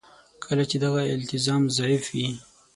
کله چې دغه التزام ضعیف وي.